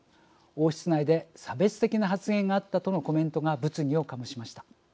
王室内で差別的な発言があったとのコメントが物議を醸しました。